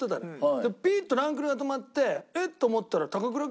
でピーッとランクルが止まってえっ？と思ったら高倉健さん。